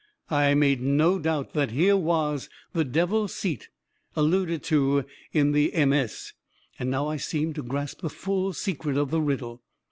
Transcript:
I made no doubt that here was the 'devil's seat' alluded to in the MS., and now I seemed to grasp the full secret of the riddle.